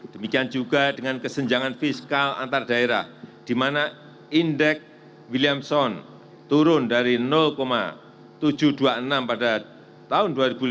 demikian juga dengan kesenjangan fiskal antar daerah di mana indeks williamson turun dari tujuh ratus dua puluh enam pada tahun dua ribu lima belas